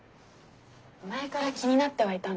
前から気になってはいたんだ。